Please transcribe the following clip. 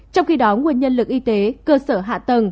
trong khi đó nguồn nhân lực y tế cơ sở hạ tầng